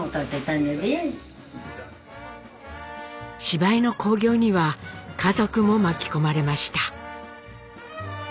芝居の興行には家族も巻き込まれました。